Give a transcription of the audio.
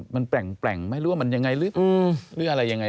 มันแปลงไหมหรือว่ามันยังไงหรืออะไรยังไง